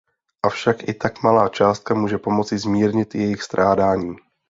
Avšak i tak malá částka může pomoci zmírnit jejich strádání.